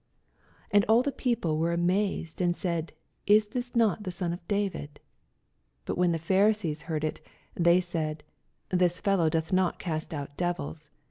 S8 And all the people were amaied. and said, la not thia the Sou oi David? 84 Bat when the Phariaeea heard Uf they said, Thia /iSow doth not oast out devila.